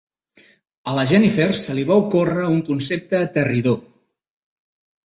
A la Jennifer se li va ocórrer un concepte aterridor.